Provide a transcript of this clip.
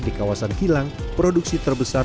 di kawasan kilang produksi terbesar